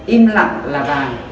im lặng là vàng